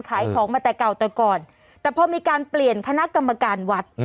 ขายของมาแต่เก่าแต่ก่อนแต่พอมีการเปลี่ยนคณะกรรมการวัด